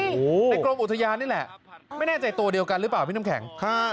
ในกรมอุทยานนี่แหละไม่แน่ใจตัวเดียวกันหรือเปล่าพี่น้ำแข็ง